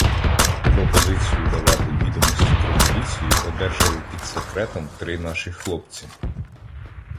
Пропозицію давати відомості про міліцію одержали під секретом три наші хлопці.